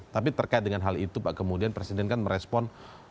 tapi terkait dengan hal itu pak kemudian presiden kan merespon